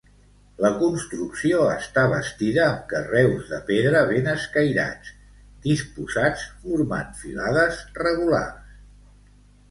La construcció està bastida amb carreus de pedra ben escairats, disposats formant filades regulars.